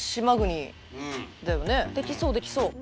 できそうできそう。